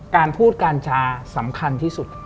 การพูดกัญชาสำคัญที่สุด